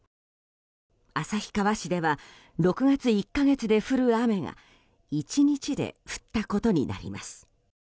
旭川市では６月１か月で降る雨が１日で降ったことになります。